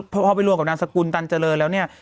สรรคุณตันเจริญแล้วเนี่ย